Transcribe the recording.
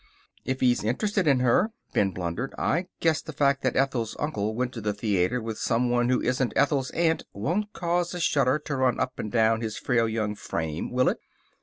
"If he's interested in her," Ben blundered, "I guess the fact that Ethel's uncle went to the theater with someone who isn't Ethel's aunt won't cause a shudder to run up and down his frail young frame, will it?"